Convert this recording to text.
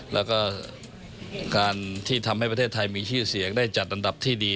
แล้วก็การที่ทำให้ประเทศไทยมีชื่อเสียงได้จัดอันดับที่ดี